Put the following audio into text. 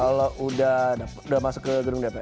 kalau udah masuk ke gedung dpr